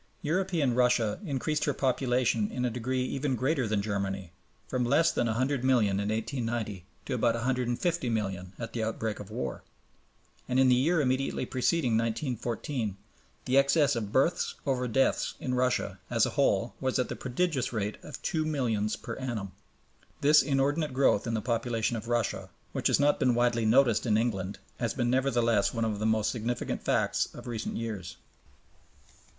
European Russia increased her population in a degree even greater than Germany from less than 100,000,000 in 1890 to about 150,000,000 at the outbreak of war; and in the year immediately preceding 1914 the excess of births over deaths in Russia as a whole was at the prodigious rate of two millions per annum. This inordinate growth in the population of Russia, which has not been widely noticed in England, has been nevertheless one of the most significant facts of recent years.